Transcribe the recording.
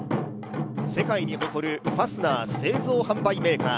世界に誇るファスナー製造販売メーカー。